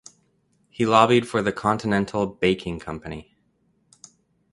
He lobbied for the Continental Baking Company.